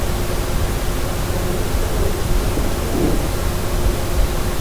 Qharipa warmipa muhun.